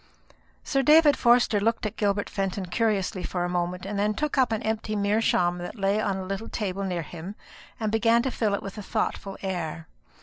Sir David Forster looked at Gilbert Fenton curiously for a moment, and then took up an empty meerschaum that lay upon a little table near him, and began to fill it with a thoughtful air.